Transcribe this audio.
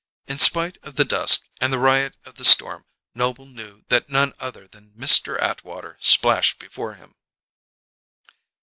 In spite of the dusk and the riot of the storm, Noble knew that none other than Mr. Atwater splashed before him.